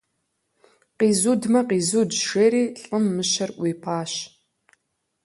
- Къизудмэ, къизудщ, - жери лӀым мыщэр ӀуипӀащ.